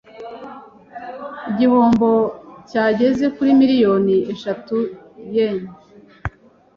Igihombo cyageze kuri miliyoni eshatu yen .